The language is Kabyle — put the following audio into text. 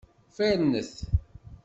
Fernet!